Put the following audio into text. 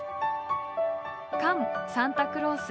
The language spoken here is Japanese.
「カムサンタクロース！！